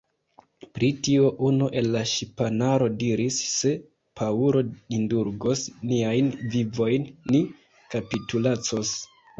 Pri tio, unu el la ŝipanaro diris, Se Paŭlo indulgos niajn vivojn, ni kapitulacos.